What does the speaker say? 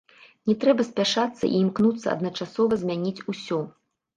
Не трэба спяшацца і імкнуцца адначасова змяніць усё.